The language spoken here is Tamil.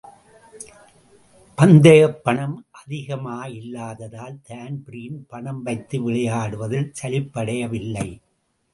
பந்தயப் பணம் அதிகமாயில்லாதால் தான்பிரீன் பணம்வைத்து விளையாடுவதில் சலிப்படையவில்லை.